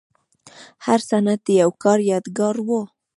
هر سند د یو کار یادګار و.